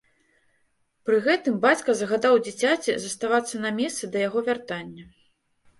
Пры гэтым бацька загадаў дзіцяці заставацца на месцы да яго вяртання.